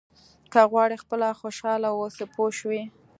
که غواړئ خپله خوشاله واوسئ پوه شوې!.